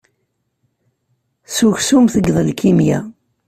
S uksum teggeḍ lkimya.